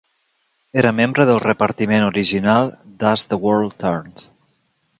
Era membre del repartiment original d'"As the World Turns".